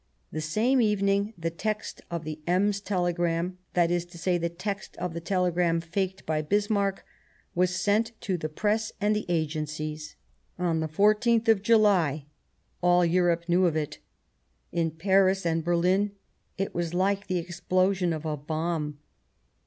The same evening, the text of the Em.s telegram, that is to say, the text of the telegram faked by Bis marck, was sent to the Press and the Agencies. On the 14th of July all Europe knew of it. In Paris and Berlin it was like the explosion of a bomb.